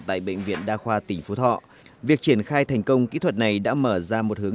tại bệnh viện đa khoa tỉnh phú thọ việc triển khai thành công kỹ thuật này đã mở ra một hướng